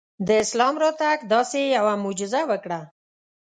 د اسلام راتګ داسې یوه معجزه وکړه.